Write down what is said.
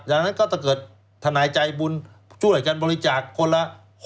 ดังนั้นก็จะเกิดธนายใจบุญจุดเหลือการบริจาคคนละ๖๐